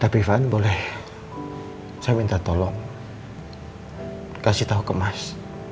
tapi fan boleh saya minta tolong kasih tahu ke mas